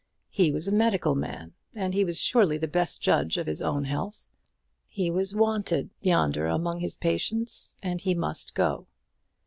He was a medical man, and he was surely the best judge of his own health. He was wanted yonder among his patients, and he must go.